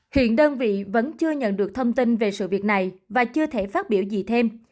hiện đơn vị vẫn chưa nhận được thông tin về sự việc này và chưa thể phát biểu gì thêm